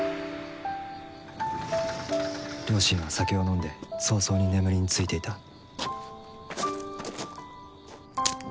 両親は酒を飲んで早々に眠りについていた。